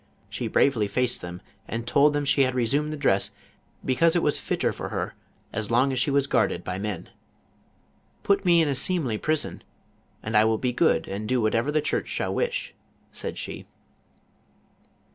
She bravely faced them and told them sho had resumed that dress " because it was fitter for her as long as she was guarded by men." JOAN OF ARC. 177 " Put me in a seemly prison and I will be good and do whatever the church shall wish," said she.